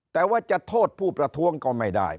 แต่ว่าจะโทษผู้ประท้วงก็ไม่ได้